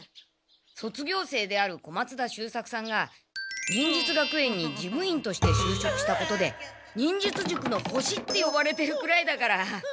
卒業生である小松田秀作さんが忍術学園に事務員として就職したことで忍術塾の星ってよばれてるくらいだから。